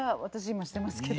今してますけど。